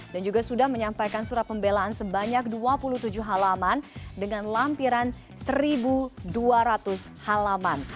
dan juga sudah menyampaikan surat pembelaan sebanyak dua puluh tujuh halaman dengan lampiran satu dua ratus halaman